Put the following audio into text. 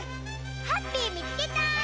ハッピーみつけた！